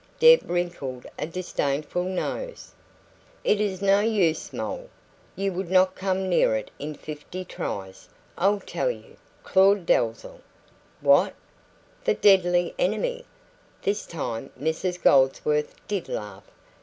Deb wrinkled a disdainful nose. "It is no use, Moll; you would not come near it in fifty tries. I'll tell you Claud Dalzell." "What the deadly enemy!" This time Mrs Goldsworthy did laugh.